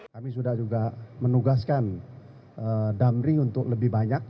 kami sudah juga menugaskan damri untuk lebih banyak